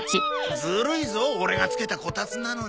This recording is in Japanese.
ずるいぞオレがつけたこたつなのに。